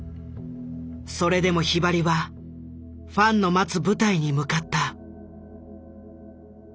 それでもひばりはファンの待つ舞台に向かった。